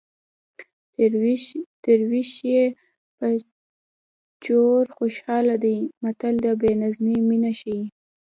تر وېش یې په چور خوشحاله دی متل د بې نظمۍ مینه ښيي